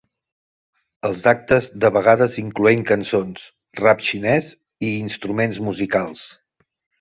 Els actes de vegades incloent cançons, rap xinès i instruments musicals.